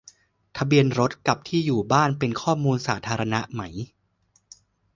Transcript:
ทะเบียนรถ กับ ที่อยู่บ้าน เป็น "ข้อมูลสาธารณะ" ไหม ?